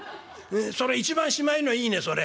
「それ一番しまいのいいねそれ」。